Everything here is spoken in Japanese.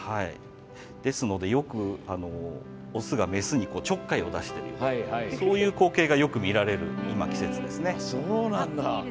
ですので、よくオスがメスにちょっかいを出してるそういう光景がよく見られる今、季節ですね。